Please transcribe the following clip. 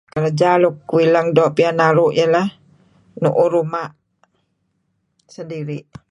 Kerja uih doo' piyan iih lah nuuh ruma' sendiri'.